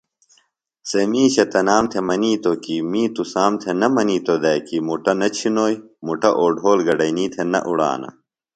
سےۡ مِیشہ تنام تھےۡ منِیتو کی می تُسام تھےۡ نہ منِیتوۡ دئے کی مُٹہ نہ چِھنوئی مُٹہ اوڈھول گڈئینی تھےۡ نہ اُڑانہ۔